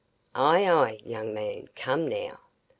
"Ay, ay, young man, come now!